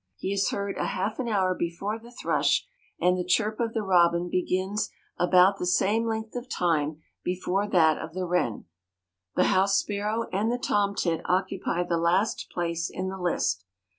He is heard a half an hour before the thrush, and the chirp of the robin begins about the same length of time before that of the wren. The house sparrow and the tomtit occupy the last place in the list.